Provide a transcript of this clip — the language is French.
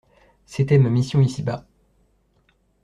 C'était ma mission ici-bas.